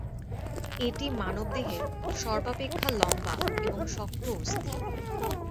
এটি মানবদেহের সর্বাপেক্ষা লম্বা এবং শক্ত অস্থি।